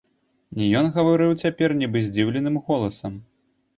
Ён гаварыў цяпер нібы здзіўленым голасам.